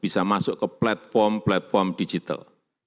bisa masuk ke platform platform digital